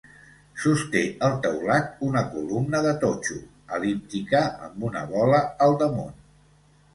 Sosté el teulat una columna de totxo, el·líptica, amb una bola al damunt.